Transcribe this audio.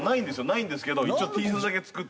ないんですけど一応Ｔシャツだけ作ってて。